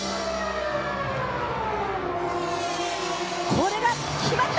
これが決まった！